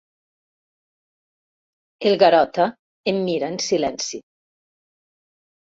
El Garota em mira en silenci.